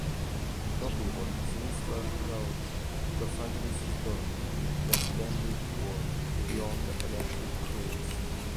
Notevoli "Sinister Rouge", "Los Angeles Is Burning", "Let Them Eat War", "Beyond Electric Dreams".